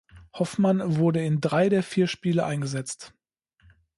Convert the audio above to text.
Hoffmann wurde in drei der vier Spiele eingesetzt.